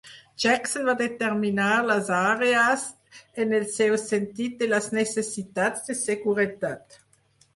Jackson va determinar les àrees en el seu sentit de les necessitats de seguretat.